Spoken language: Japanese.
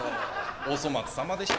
お粗末さまでした。